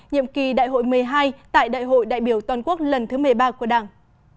nhiệm kỳ đại hội một mươi hai tại đại hội đại biểu toàn quốc lần thứ một mươi ba của đảng